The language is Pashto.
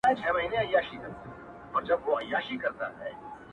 د پاچا په امیرانو کي امیر وو٫